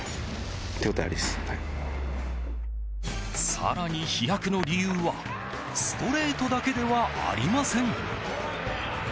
更に、飛躍の理由はストレートだけではありません。